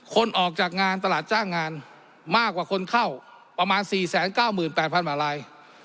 คนออกจากงานตลาดจ้างงานมากกว่าคนเข้าประมาณ๔๙๘๐๐๐กว่าลาย